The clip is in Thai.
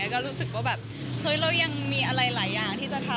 ก็รู้สึกว่าแบบเฮ้ยเรายังมีอะไรหลายอย่างที่จะทำ